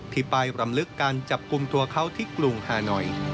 ที่ไปรำลึกการจับกลุ่มตัวเขาที่กรุงฮานอย